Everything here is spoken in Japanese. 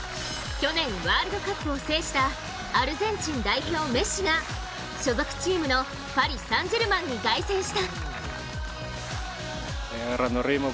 去年、ワールドカップを制したアルゼンチン代表・メッシが所属チームのパリ・サン＝ジェルマンに凱旋した。